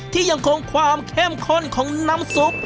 ยังคงความเข้มข้นของน้ำซุป